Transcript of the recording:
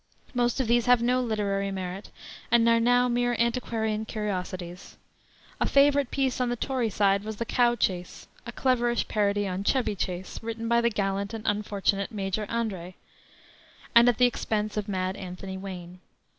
Most of these have no literary merit, and are now mere antiquarian curiosities. A favorite piece on the Tory side was the Cow Chase, a cleverish parody on Chevy Chase, written by the gallant and unfortunate Major Andre, at the expense of "Mad" Anthony Wayne.